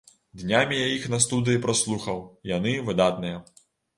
Днямі я іх на студыі праслухаў, яны выдатныя.